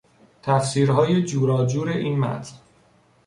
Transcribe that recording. تفسیرهای جوراجور این متن